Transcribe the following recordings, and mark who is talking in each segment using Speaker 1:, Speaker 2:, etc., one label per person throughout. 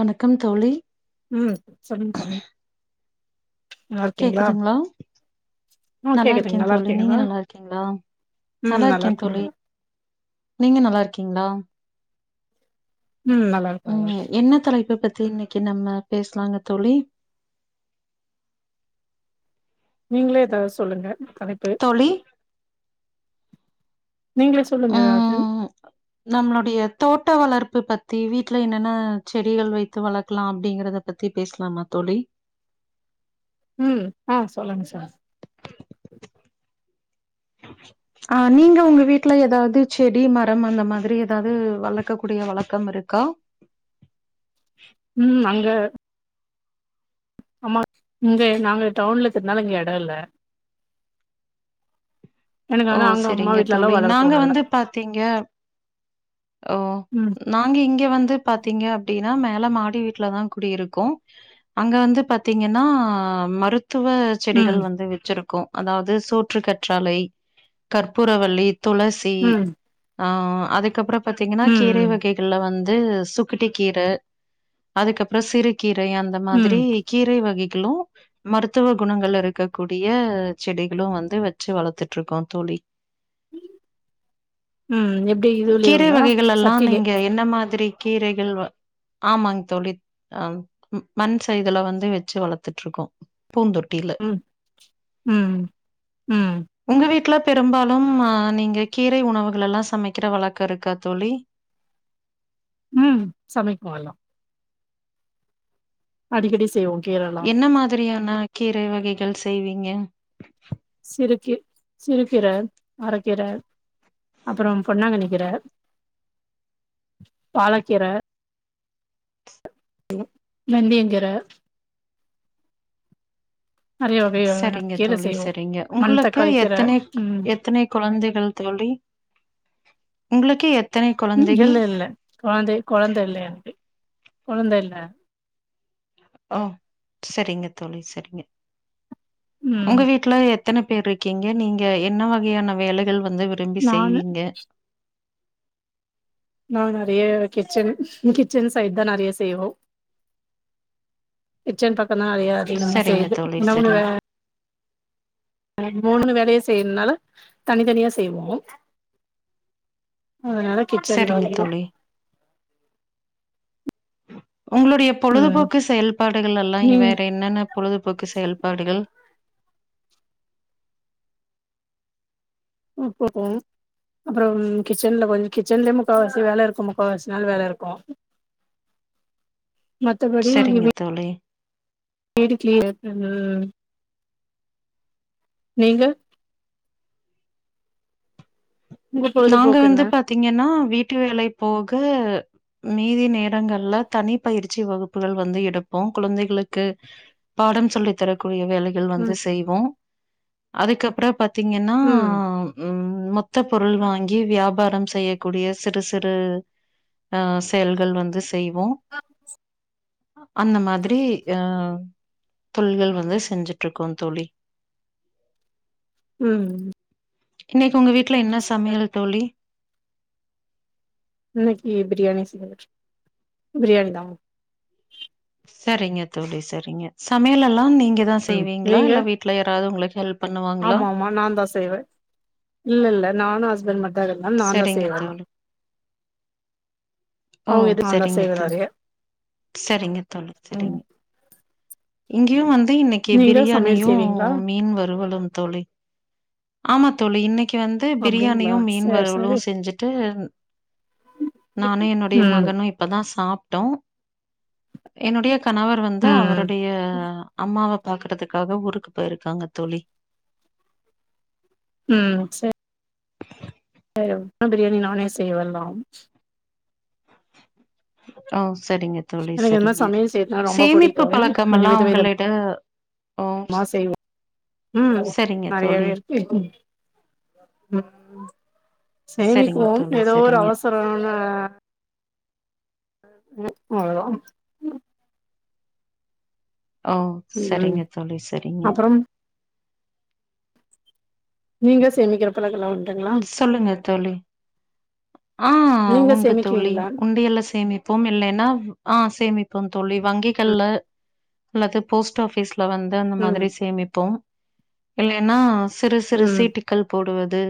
Speaker 1: வணக்கம் தோழி
Speaker 2: ம் சொல்லுங்க தோழி நல்லா இருக்கீங்களா?
Speaker 1: கேக்குதுங்களா
Speaker 2: ஆ
Speaker 1: நல்லாருக்கே
Speaker 2: கேக்குதுங்க நல்லா
Speaker 1: தோழி நீங்க
Speaker 2: இருக்கீங்களா?
Speaker 1: நல்லா இருக்கீங்களா
Speaker 2: ம் நல்லா
Speaker 1: நல்லாருக்கே
Speaker 2: இருக்குங்க.
Speaker 1: தோழி நீங்க நல்லாருக்கீங்களா
Speaker 2: ம் நல்லாருக்
Speaker 1: ம் என்ன தலைப்ப பத்தி இன்னைக்கு நம்ம பேசலாங்க தோழி
Speaker 2: நீங்களே ஏதாவது சொல்லுங்க தலைப்பு
Speaker 1: தோழி
Speaker 2: நீங்களே சொல்லுங்க ஏதாது
Speaker 1: ம் நம்மளுடைய தோட்ட வளர்ப்பு பத்தி வீட்டுல என்னென்ன செடிகள் வைத்து வளக்கலா அப்டிங்கறத பத்தி பேசலாமா தோழி
Speaker 2: ம் ஆ சொல்லுங்க சார்
Speaker 1: ஆ நீங்க உங்க வீட்ல எதாவது செடி மரம் அந்த மாதிரி ஏதாவது வளர்க்கக்கூடிய வழக்கம் இருக்கா
Speaker 2: ம் அங்க ஆமாங் இங்க நாங்க டவுன்ல இக்கறதனால இங்க எட இல்ல எனக்கு
Speaker 1: ஓ
Speaker 2: ஆனா அங்க அம்மா
Speaker 1: சரிங்க
Speaker 2: வீட்லல்லா
Speaker 1: தோழி
Speaker 2: வளர்ப்போ
Speaker 1: நாங்க
Speaker 2: நல்லா.
Speaker 1: வந்து பாத்தீங்க ஓ
Speaker 2: ம்
Speaker 1: நாங்க இங்க வந்து பாத்தீங்க அப்டின்னா மேல மாடி வீட்டுலதா குடியிருக்கோ அங்க வந்து பாத்தீங்கன்னா மருத்துவ
Speaker 2: ம்
Speaker 1: செடிகள் வந்து வச்சிருக்கோ அதாவது சோற்று கற்றாழை கற்பூரவல்லி துளசி
Speaker 2: ம்
Speaker 1: ஆ அதுக்கப்புறம் பாத்தீங்கன்னா கீரை
Speaker 2: ம்
Speaker 1: வகைகள்ல வந் து சுக்கிட்டி கீர அதுக்கப்புற சிறு கீரை அந்த
Speaker 2: ம் ம்
Speaker 1: மாதிரி கீரை வகைகளு மருத்துவ குணங்கள்ல இருக்கக்கூடிய செடிகளு வந்து வச்சு வளத்துட்டு இருக்கோ தோழி
Speaker 2: ம் எப்டி
Speaker 1: கீரை
Speaker 2: இதுலயுங்களா?
Speaker 1: வகைகள் எல்லா
Speaker 2: சட்டிலே
Speaker 1: நீங்க எ ன்ன மாதிரி கீரைகள் வ ஆமாங்க தோழி ஆ மண் சைடுல வந்து வச்சு வளத்துட்டு இருக்கோ பூந்தொட்டில
Speaker 2: ம் ம் ம்
Speaker 1: உங்க வீட்டுல பெரும்பாலும் ஆ நீங்க கீரை உணவுகள் எல்லா சமைக்கிற வழக்க இருக்கா தோழி
Speaker 2: ம் சமைப்போ எல்லா அடிக்கடி செய்வோம்
Speaker 1: என்ன மாதிரியான கீரை வகைகள் செய்வீங்க
Speaker 2: சிறுகீ சிறுகீர அரக்கீர அப்பறம் பொன்னாங்கண்ணி கீர பாலக்கீர வெந்தியங்கீர நெறைய வகையான
Speaker 1: சரிங்க
Speaker 2: கீர
Speaker 1: தோழி
Speaker 2: செய்வோ
Speaker 1: சரிங்க உங்களுக்கு
Speaker 2: மணத்தக்காளி கீர
Speaker 1: எத்தனைக்
Speaker 2: ம்
Speaker 1: எத்தனைக் குழந்தைகள் தோழி உங்களுக்கு எத்
Speaker 2: ம் இல்ல இல்ல கொழந்தைக் கொழந்த இல்ல எனக்கு கொழந்த இல்ல
Speaker 1: ஓ சரிங்க தோழி சரிங்க
Speaker 2: ம்
Speaker 1: உங்க வீட் ட்ல எத்தனை பேர் இருக்கீங்க நீங்க என்ன வகையான வேலைகள் வந்து விரும்பி
Speaker 2: நானு
Speaker 1: செய்வீங்க
Speaker 2: நா நெறைய கிச்சன் கிச்சன் சைட் தா நெறைய செய்வோ கிச்சன் பக்கதா அதிக அதிகமா
Speaker 1: சரிங்க
Speaker 2: செய்யுது
Speaker 1: தோழி,
Speaker 2: உணவு வே
Speaker 1: சரிங்
Speaker 2: ஆ மூணு வேளையு செய்யறதுனால தனித்தனியா செய்வோ அதனால கிச்சன் தா
Speaker 1: செரிங்க
Speaker 2: அதிகோ
Speaker 1: தோழி உங்களுடைய
Speaker 2: ம்
Speaker 1: பொழுதுபோக்கு செயல்பாடுகள் எல்லா
Speaker 2: நீங்க
Speaker 1: வேறு என்னென்ன பொழுதுபோக்கு செயல்பாடுகள்
Speaker 2: இப்பதா அப்பறம் கிச்சனல கொஞ்ச கிச்சன்லயே முக்காவாசி வேல இருக்கு முக்காவாசி நாளு வேல இருக்கு மத்தபடி
Speaker 1: செரிங்க தோழி
Speaker 2: வீடு கீளியர் ம் நீங்க உங்க
Speaker 1: நாங்க
Speaker 2: பொழுதுபோக்கு என்ன
Speaker 1: வந்து பாத்திங்கன்னா வீட்டு வேலை போக மீதி நேரங்கள்ல தனி பயிற்சி வகுப்புகள் வந்து எடுப்போ குழந்தைகளுக்கு பாடம் சொல்லி தரக்கூடிய வேலைகள்
Speaker 2: ம்
Speaker 1: வந்து செய்வோ அதுக்கப்பற பாத்தீங்கன்னா
Speaker 2: ம்
Speaker 1: ம் ம் மொத்த பொருள் வாங்கி வியாபாரம் செய்யக்கூடிய சிறு சிறு ஆ செயல்கள் வந்து செய்வோ
Speaker 2: ஆ
Speaker 1: அந்த மாதிரி ஏ ஆ தொள்கள் வந்து செஞ்சுட்ருக்கோ தோழி
Speaker 2: ம்
Speaker 1: இன்னைக்கு உங்க வீட்டுல என்ன சமையல் தோழி
Speaker 2: இன்னைக்கு பிரியானி செய்யலா பிரியானி தா
Speaker 1: சரிங்க தோழி சரிங்க சமையலல்லா நீங்க தா செய்வீங்களா
Speaker 2: நீங்க
Speaker 1: இல்ல வீட்ல யாராவது உங்களுக் ஹெல்ப் பண்ணுவாங்களா?
Speaker 2: ஆமா ஆமா நாந்தா செய்வே இல்லல்ல நானு ஹஸ்பண்ட் மட் அதெல்லா நான்தா
Speaker 1: சரிங்க
Speaker 2: செய்வே
Speaker 1: தோழி. ஓ
Speaker 2: அவங்க எது நா தா
Speaker 1: சரிங்க
Speaker 2: செய்வே
Speaker 1: தோழி
Speaker 2: நெறைய
Speaker 1: சரிங்க தோழி
Speaker 2: ம்
Speaker 1: சரிங்க இங்கேயு வந்து இன்னைக்கு
Speaker 2: நீங்க சமையல்
Speaker 1: பிரியாணியு
Speaker 2: செய்வீங்களா
Speaker 1: மீன் வருவலு தோழி ஆமா தோழி இன்னைக் கு வந்து
Speaker 2: அப்டிங்களா
Speaker 1: பிரியாணியு மீன்
Speaker 2: சேரி
Speaker 1: வருவலு
Speaker 2: சேரி
Speaker 1: செஞ்சுட்டு நானே என்னோட எ
Speaker 2: ம்
Speaker 1: மகனு இப்பதா சாப்ட்டோ என்னுடைய கணவர் வந்து
Speaker 2: ம்
Speaker 1: அவருடைய அம்மாவ பாக்குறதுக்காக ஊருக்கு போயிருக்காங்க தோழி
Speaker 2: ம் சர் அ எப்ப பிரியாணி நானே செய்வந்தா
Speaker 1: ஓ சரிங்க தோழி
Speaker 2: எனக்கு இந்த மாரி
Speaker 1: சரிங்க
Speaker 2: சமையல் செய்யறதுனா ரொம்ப
Speaker 1: சேமிப்பு
Speaker 2: புடிக்கு
Speaker 1: பழக்கம்மெல்லா உங்களிட ஓ
Speaker 2: மா செய்வோ ம்
Speaker 1: சரிங்க
Speaker 2: நறயாவே
Speaker 1: தோழி
Speaker 2: இருக்கு [unintelligible] ம் ம்
Speaker 1: சரிங்க
Speaker 2: சேமிக்குவோ
Speaker 1: தோழி
Speaker 2: ஏதோ ஒரு
Speaker 1: சரிங்க
Speaker 2: அவசர மான ம் அவ்ளோதா ம்
Speaker 1: ஓ
Speaker 2: ம்
Speaker 1: சரிங்க தோழி சரிங்க
Speaker 2: அப்புறம் நீங்க சேமிக்கிற பழக்கல்லா உண்டுங்ளா
Speaker 1: சொல்லுங்க தோழி ஆ உண்டு தோழி உண்டியல்ல சேமிப்போ இல்லைன்னா ஆ சேமிப்போ போ தோழி வங்கிகள்ல அல்லது போஸ்ட் ஆபிஸ்ல வந்து அந்த மாதிரி
Speaker 2: ம்
Speaker 1: சேமிப்போ இல்லைன்னா சிறு சிறு
Speaker 2: ம்
Speaker 1: சீட்டு மக்கள் போடுவது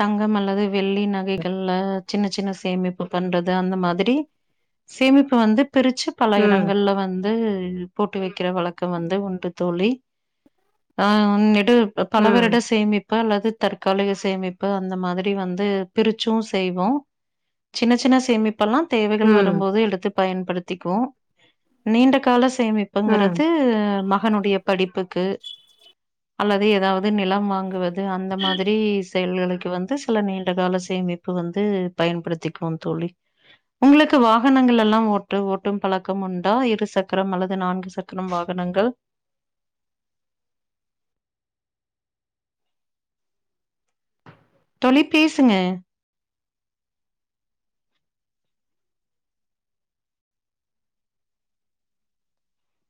Speaker 1: தங்கம் அல்லது வெள்ளி நகைகள்ல சின்ன சின்ன சேமிப்பு பண்றது அந்த மாதிரி சேமிப்பு வந்து பிரிச்சு பல
Speaker 2: ம்
Speaker 1: எடங்கள்ல வந் து போட்டு வைக்குற வழக்கம் வந்து உண்டு தோழி ஆ உன்னிடு பல வருட
Speaker 2: ம்
Speaker 1: சேமிப்பு அல்லது தற்காலிக சேமிப்பு அந்த மாதிரி வந் து பிரிச்சு செய்வோ சின்ன சின்ன சேமிப்பெல்லா தேவைகள்
Speaker 2: ம்
Speaker 1: வரும்போது எடுத்து பயன்படுத்திக்கு நீண்ட கால
Speaker 2: ம்
Speaker 1: சேமிப்புங்கிறது மகனுடைய படிப்புக்கு அல்லது ஏதாவது நிலம் வாங்குவது அந்த மாதிரி செயல்களுக்கு வந்து சில நீண்ட கால சேமிப்பு வந்து பயன்படுத்திக்கு தோழி உங்களுக்கு வாகனங்கள்ல்லா ஓட்டு ஓட்டும் பழக்கம் உண்டா இரு சக்கரம் அல்லது நான்கு சக் கர வாகனங்கள் தோழி பேசுங்க